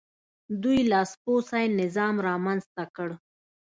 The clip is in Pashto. دوی لاسپوڅی نظام رامنځته کړ.